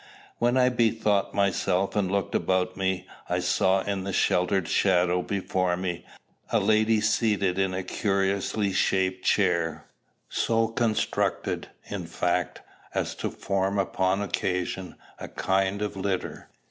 When I bethought myself and looked about me, I saw, in the sheltered hollow before me, a lady seated in a curiously shaped chair; so constructed, in fact, as to form upon occasion a kind of litter.